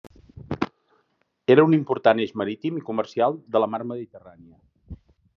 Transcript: Era un important eix marítim i comercial de la mar Mediterrània.